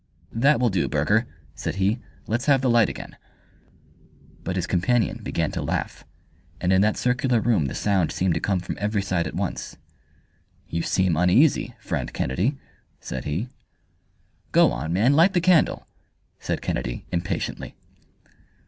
"That will do, Burger," said he, "let's have the light again." But his companion began to laugh, and in that circular room the sound seemed to come from every side at once. "You seem uneasy, friend Kennedy," said he. "Go on, man, light the candle!" said Kennedy, impatiently.